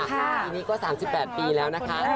ปีนี้ก็๓๘ปีแล้วนะคะ